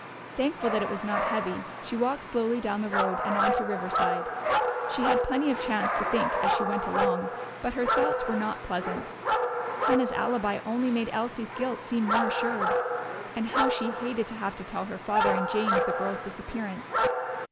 Thankful that it was not heavy, she walked slowly down to the road and on to Riverside. She had plenty of chance to think as she went along, but her thoughts were not pleasant. Hannah's alibi only made Elsie's guilt seem more assured. And how she hated to have to tell her father and Jane of the girl's disappearance!